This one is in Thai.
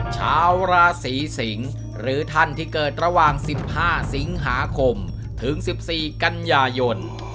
ชาวราศีสิงศ์หรือท่านที่เกิดระหว่าง๑๕สิงหาคมถึง๑๔กันยายน